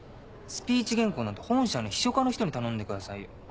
スピーチ原稿なんて本社の秘書課の人に頼んでくださいよ。